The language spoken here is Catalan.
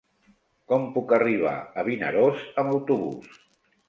Com puc arribar a Vinaròs amb autobús?